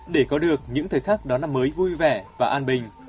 để có được những thời khắc đón năm mới vui vẻ và an bình